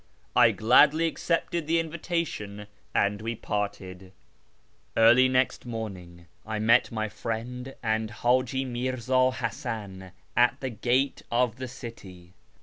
I gladly accepted the invitation and we parted. Early next morning I met my friend and Haji Mi'rza Hasan at the gate of the city.